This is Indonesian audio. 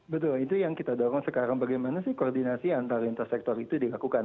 betul itu yang kita dorong sekarang bagaimana sih koordinasi antar lintas sektor itu dilakukan